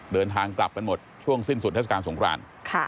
เดินทางกลับกันหมดช่วงสิ้นสุดเทศกาลสงคราน